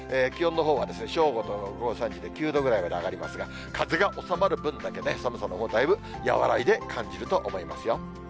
気温のほうは正午と午後３時で９度ぐらいまで上がりますが、風が収まる分だけね、寒さのほう、だいぶ和らいで感じると思いますよ。